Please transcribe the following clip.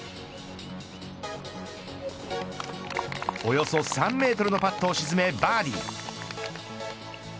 およそ３メートルのパットを沈めバーディー。